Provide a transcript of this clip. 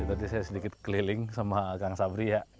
jadi tadi saya sedikit keliling sama kang sabri ya